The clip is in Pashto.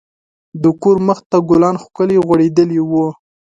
د کور مخ ته ګلان ښکلي غوړیدلي وو.